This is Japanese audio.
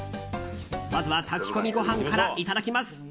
まずは炊き込みご飯からいただきます。